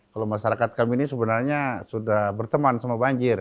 kalau masyarakat kami ini sebenarnya sudah berteman sama banjir